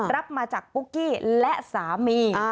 รับมาจากปุ๊กกี้และสามี